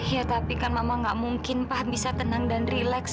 ya tapi kan mama tidak mungkin pa bisa tenang dan rileks